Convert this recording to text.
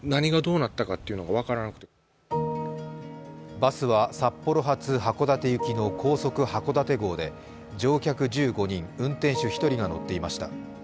バスは札幌発函館行きの高速はこだて号で乗客１５人、運転手１人が乗っていました。